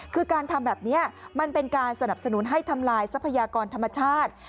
คือการทำแบบนี้มันเป็นการสนับสนุนให้ทำลายทรัพยากรธรรมชาติ